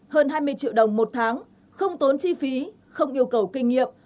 hơn hai mươi triệu đồng một tháng không tốn chi phí không yêu cầu kinh nghiệm